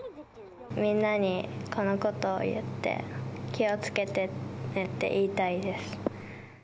みんなにこのことを言って、気をつけてねって言いたいです。